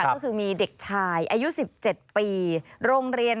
ก็คือมีเด็กชายอายุ๑๗ปี